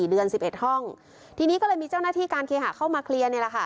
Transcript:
เท่านานกว่าสี่เดือนสิบเอ็ดห้องทีนี้ก็เลยมีเจ้าหน้าที่การเคหาเข้ามาเคลียร์นี่แหละค่ะ